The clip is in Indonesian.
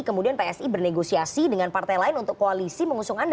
kemudian psi bernegosiasi dengan partai lain untuk koalisi mengusung anda